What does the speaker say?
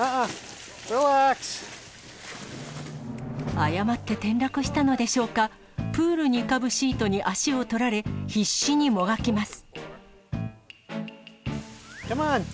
誤って転落したのでしょうか、プールに浮かぶシートに足を取られ、必死にもがきます。